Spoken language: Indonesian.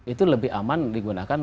itu lebih aman digunakan